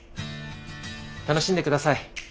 楽しんで下さい。